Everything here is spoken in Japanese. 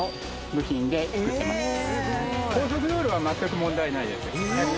高速道路は全く問題ないです。